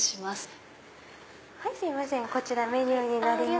はいこちらメニューになります。